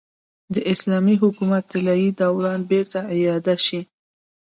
د اسلامي حکومت طلايي دوران بېرته اعاده شي.